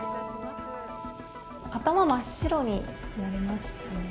頭真っ白になりましたね。